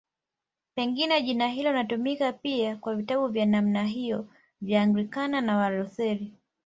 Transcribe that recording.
Pengine jina hilo linatumika pia kwa vitabu vya namna hiyo vya Anglikana na Walutheri.